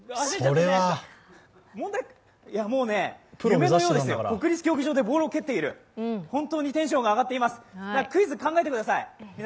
もうね、夢のようですよ、国立競技場でボールを蹴っている、本当にテンションが上がっています。